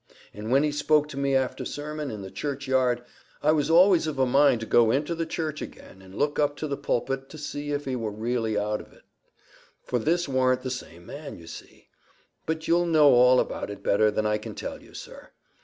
And when he spoke to me after sermon, in the church yard, I was always of a mind to go into the church again and look up to the pulpit to see if he war really out ov it; for this warn't the same man, you see. But you'll know all about it better than I can tell you, sir.